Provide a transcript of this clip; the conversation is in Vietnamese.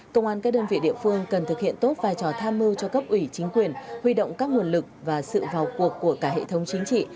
công an các đơn vị địa phương cần thực hiện tốt vai trò tham mưu cho cấp ủy chính quyền huy động các nguồn lực và sự vào cuộc của cả hệ thống chính trị